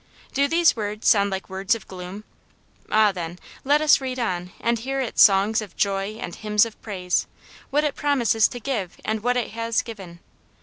Do these words sound like words of gloom ? Ah, then, let us read on, and hear its songs of joy and hymns of praise ; what it promises to give and what it bias given.